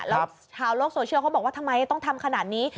แล้วชาวโลกโซเชียลเขาบอกว่าทำไมต้องทำขนาดนี้